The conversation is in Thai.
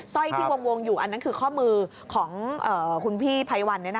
สร้อยที่วงอยู่อันนั้นคือข้อมือของคุณพี่ไพวัน